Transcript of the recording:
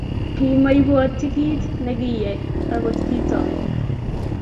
Kimabwatchi kit ne kiyaak agot kitogin